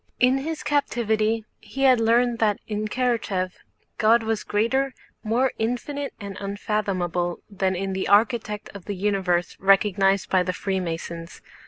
In his captivity he had learned that in Karatáev God was greater, more infinite and unfathomable than in the Architect of the Universe recognized by the Freemasons.